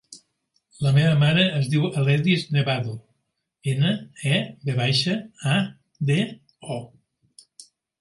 La meva mare es diu Aledis Nevado: ena, e, ve baixa, a, de, o.